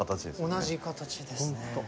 同じ形ですね。